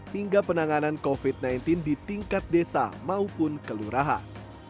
hingga penanganan covid sembilan belas di tingkat desa maupun kelurahan